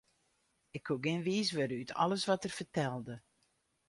Ik koe gjin wiis wurde út alles wat er fertelde.